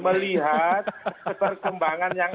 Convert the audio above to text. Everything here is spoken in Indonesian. melihat perkembangan yang